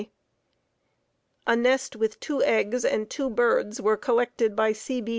A nest with two eggs and two birds were collected by C. B.